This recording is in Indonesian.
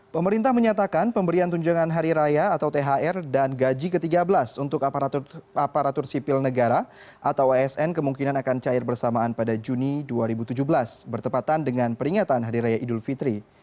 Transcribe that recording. pemerintah menyatakan pemberian tunjangan hari raya atau thr dan gaji ke tiga belas untuk aparatur sipil negara atau asn kemungkinan akan cair bersamaan pada juni dua ribu tujuh belas bertepatan dengan peringatan hari raya idul fitri